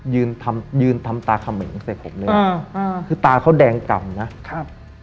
ยืนทำยืนทำตาเขมรใส่ผมเลยอ่าอ่าคือตาเขาแดงกำนะครับ